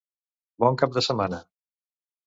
Bon cap de setmana!